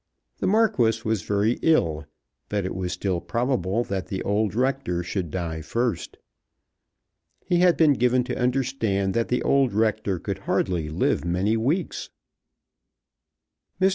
The Marquis was very ill; but it was still probable that the old rector should die first. He had been given to understand that the old rector could hardly live many weeks. Mr.